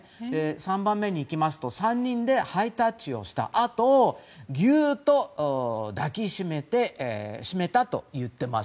３番目にいきますと３人でハイタッチをしたあとギュッと抱きしめたといっています。